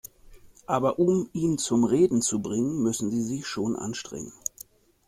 Aber um ihn zum Reden zu bringen, müssen Sie sich schon anstrengen.